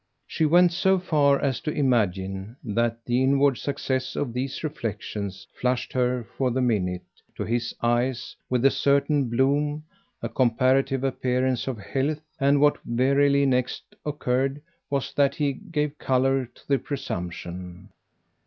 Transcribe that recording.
She went so far as to imagine that the inward success of these reflexions flushed her for the minute, to his eyes, with a certain bloom, a comparative appearance of health; and what verily next occurred was that he gave colour to the presumption.